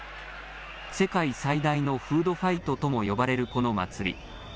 世界最大のフードファイトとも呼ばれるこの祭り。